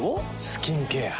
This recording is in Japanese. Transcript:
スキンケア。